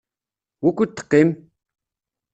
Wukud teqqim?